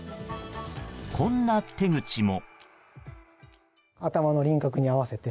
こんな手口も。